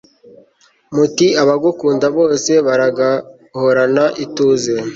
muti abagukunda bose baragahorana ituze